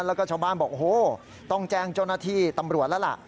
แล้วก็ชาวบ้านบอกโอ้โหต้องแจ้งเจ้าหน้าที่ตำรวจแล้วล่ะ